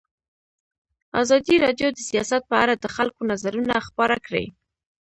ازادي راډیو د سیاست په اړه د خلکو نظرونه خپاره کړي.